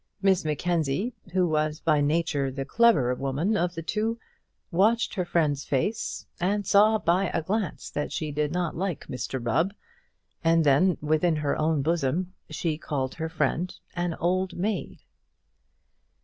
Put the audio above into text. Miss Mackenzie, who was by nature the cleverer woman of the two, watched her friend's face, and saw by a glance that she did not like Mr Rubb, and then, within her own bosom, she called her friend an old maid.